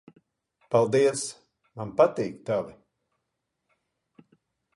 Paldies. Man patīk tavi.